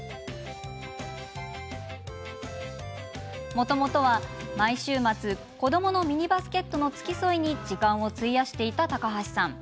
もともとは毎週末、子どものミニバスケットの付き添いに時間を費やしていた高橋さん。